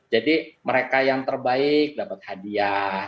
jadi mereka yang terbaik dapat hadiah